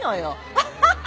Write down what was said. アハハハ！